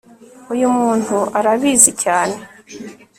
uyumuntu arabizi cyane